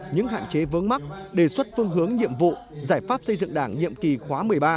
những hạn chế vướng mắc đề xuất phương hướng nhiệm vụ giải pháp xây dựng đảng nhiệm kỳ khóa một mươi ba